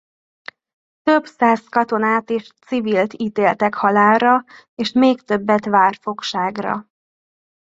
Több száz katonát és civilt ítéltek halálra és még többet várfogságra.